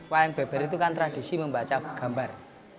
wayang beber itu kan tradisi membaca gambar